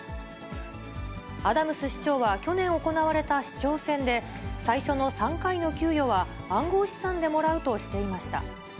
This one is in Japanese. アダムス市長は去年行われた市長選で、最初の３回の給与は暗号資産でもらうとしていました。